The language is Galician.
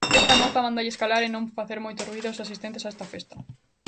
Esta moza mándalles calar e non facer moito ruído aos asistentes a esta festa.